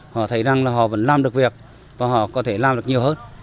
họ thấy rằng là họ vẫn làm được việc và họ có thể làm được nhiều hơn